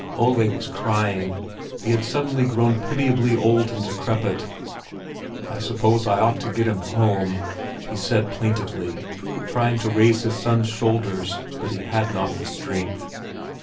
Ole was crying; he had suddenly grown pitiably old and decrepit. "I suppose I ought to get him home?" he said plaintively, trying to raise his son's shoulders; but he had not the strength.